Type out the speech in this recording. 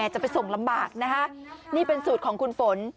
จะไปส่งลำบากนะคะนี่เป็นสูตรของคุณฝน